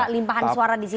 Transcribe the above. limpahan suara disitu